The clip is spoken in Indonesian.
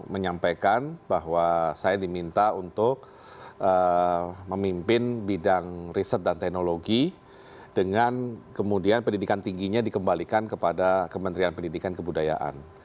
menyampaikan bahwa saya diminta untuk memimpin bidang riset dan teknologi dengan kemudian pendidikan tingginya dikembalikan kepada kementerian pendidikan kebudayaan